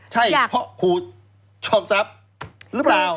ใช่เพราะครูชอบทรัพย์หรือเปล่า